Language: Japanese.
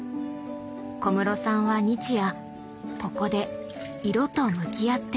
小室さんは日夜ここで色と向き合っています。